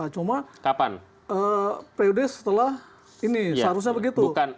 cuma pud setelah ini seharusnya begitu